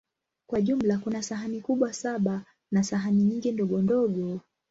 Kwa jumla, kuna sahani kubwa saba na sahani nyingi ndogondogo.